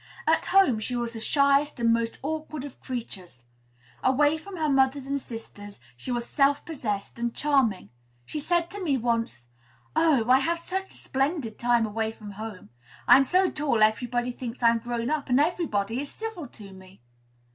At home, she was the shyest and most awkward of creatures; away from her mother and sisters, she was self possessed and charming. She said to me, once, "Oh! I have such a splendid time away from home. I'm so tall, everybody thinks I am grown up, and everybody is civil to me."